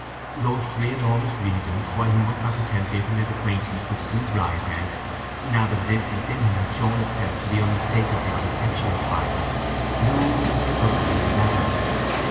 Those three enormous reasons why he must not attempt intimate acquaintance with Sue Bridehead, now that his interest in her had shown itself to be unmistakably of a sexual kind, loomed as stubbornly as ever.